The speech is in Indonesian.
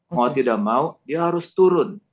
mau tidak mau dia harus turun